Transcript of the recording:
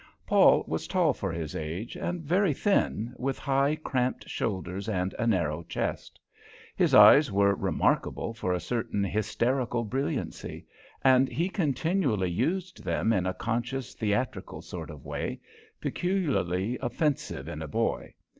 Paul was tall for his age and very thin, with high, cramped shoulders and a narrow chest. His eyes were remarkable for a certain hysterical brilliancy, and he continually used them in a conscious, theatrical sort of way, peculiarly offensive in a boy.